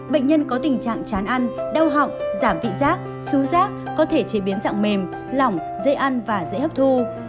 bệnh nhân có tình trạng chán ăn đau họng giảm vị giác xú giác có thể chế biến dạng mềm lỏng dễ ăn và dễ hấp thu